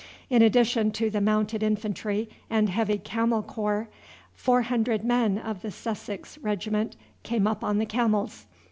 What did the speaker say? In addition to the Mounted Infantry and Heavy Camel Corps, 400 men of the Sussex Regiment came up on the camels.